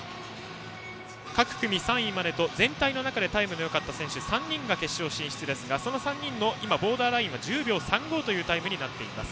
各組３位までと全体の中でタイムのよかった選手の３人が決勝進出ですがその３人のボーダーラインが１０秒３５となっています。